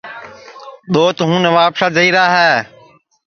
دؔوت ہوں نوابشاہ جائیرا ہے